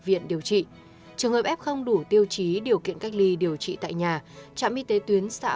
viện điều trị trường hợp f không đủ tiêu chí điều kiện cách ly điều trị tại nhà trạm y tế tuyến xã